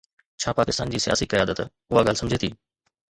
ڇا پاڪستان جي سياسي قيادت اها ڳالهه سمجهي ٿي؟